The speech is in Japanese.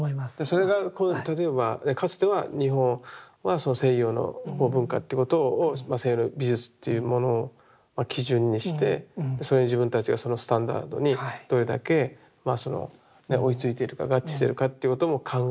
それがこう例えばかつては日本は西洋の文化ということを西洋の美術というものを基準にしてそれに自分たちがそのスタンダードにどれだけその追いついているか合致してるかっていうことも考えた。